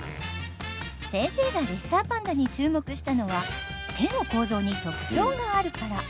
先生がレッサーパンダに注目したのは手の構造に特徴があるから。